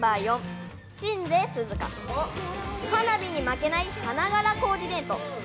「花火に負けない花柄コーディネート。